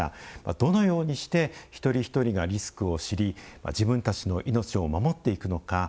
どのようにして一人一人がリスクを知り自分たちの命を守っていくのか